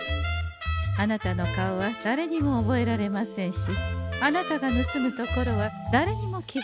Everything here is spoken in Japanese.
あなたの顔は誰にも覚えられませんしあなたが盗むところは誰にも気づかれません。